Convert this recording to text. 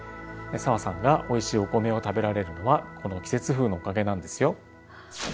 紗和さんがおいしいお米を食べられるのはこの季節風のおかげなんですよ。